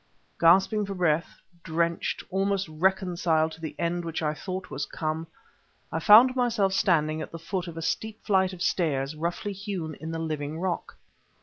Gasping for breath, drenched, almost reconciled to the end which I thought was come I found myself standing at the foot of a steep flight of stairs roughly hewn in the living rock.